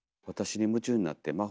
「私に夢中になって！